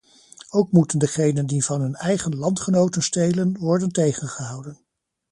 Ook moeten degenen die van hun eigen landgenoten stelen, worden tegengehouden.